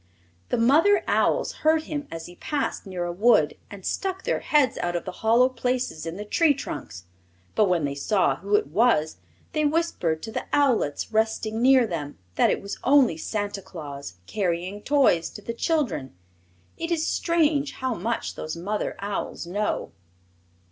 The mother owls heard him as he passed near a wood and stuck their heads out of the hollow places in the tree trunks; but when they saw who it was they whispered to the owlets nestling near them that it was only Santa Claus carrying toys to the children. It is strange how much those mother owls know.